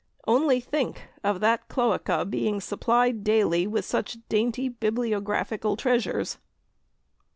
Only think of that cloaca being supplied daily with such dainty bibliographical treasures!